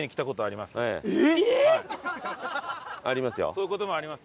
そういう事もあります。